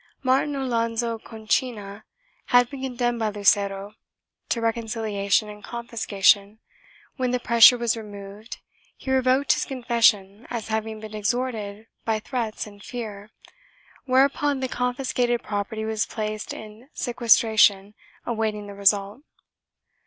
Martin Alonso Conchina had been condemned by Lucero to reconciliation and confiscation; when the pressure was removed he revoked his confession as having been extorted by threats and fear, whereupon the con fiscated property was placed in sequestration awaiting the result.